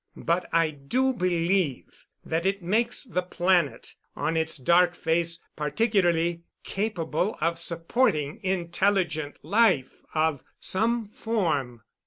But I do believe that it makes the planet on its dark face particularly capable of supporting intelligent life of some form.